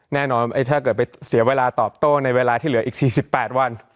แน่นอนถ้าเกิดไปเสียเวลาตอบโต้ในเวลาที่เหลืออีก๔๘วัน